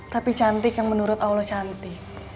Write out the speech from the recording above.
tapi cantik yang menurut allah cantik